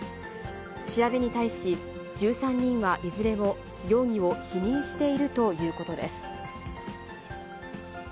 調べに対し、１３人はいずれも容疑を否認しているということです。